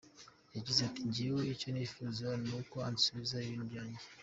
Yagize ati “Njyewe icyo nifuza nuko ansubiza ibintu byanjye.